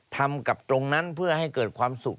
ทำกับตรงนั้นเพื่อให้เกิดความสุข